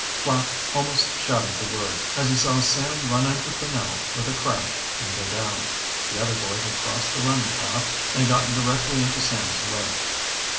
Flapp almost shouted the word, as he saw Sam run into Franell with a crash and go down. The other boy had crossed the running path and gotten directly into Sam's way.